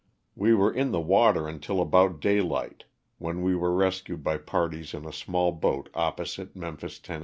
We were in the water until about daylight when we were rescued by parties in a small boat opposite Memphis, Tenn.